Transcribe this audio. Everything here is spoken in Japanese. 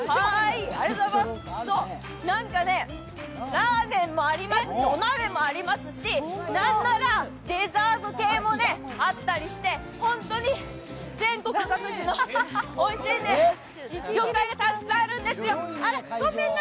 ラーメンもありますし、お鍋もありますし、何ならデザート系もあったりして、本当に全国各地のおいしい魚介がたくさんあるんですよ。